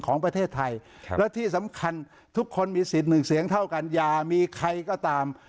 และที่สำคัญทุกคนมีศิลป์หนึ่งเสียงเท่ากันอย่ามีใครก็ตาม